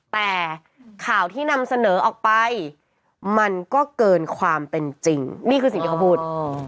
แต่ข่าวที่นำเสนอออกไปมันก็เกินความเป็นจริงนี่คือสิ่งที่เขาพูด